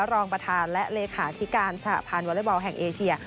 รองประธานและเลขาธิการสหพันธ์วอเล็กบอลแห่งเอเชีย